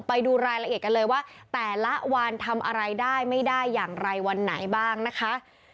ไปดูรายละเอียดกันเลยว่าแต่ละวันทำอะไรได้ไม่ได้อย่างไรวันไหนบ้างนะคะ